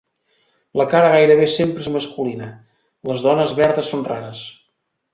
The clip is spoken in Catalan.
La cara gairebé sempre és masculina; les dones verdes són rares.